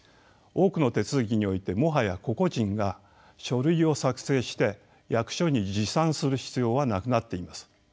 多くの手続きにおいてもはや個々人が書類を作成して役所に持参する必要はなくなっています。